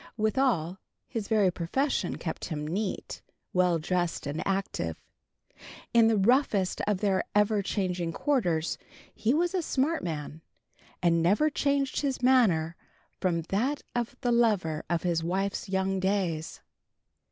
Withal, his very profession kept him neat, well dressed, and active. In the roughest of their ever changing quarters he was a smart man, and never changed his manner from that of the lover of his wife's young days.